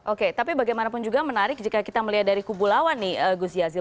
oke tapi bagaimanapun juga menarik jika kita melihat dari kubu lawan nih gus yazil